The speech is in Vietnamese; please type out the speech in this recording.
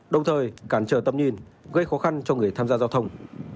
đồng thời cản trở tầm nhìn gây khó khăn cho người tham gia giao thông